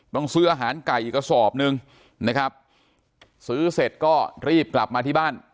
ซื้ออาหารไก่อีกกระสอบหนึ่งนะครับซื้อเสร็จก็รีบกลับมาที่บ้าน